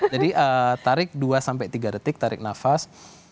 jadi tarik dua sampai tiga detik tarik nafas